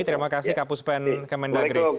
terima kasih kapus pen kemendagri